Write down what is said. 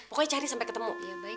pokoknya cari sampai ketemu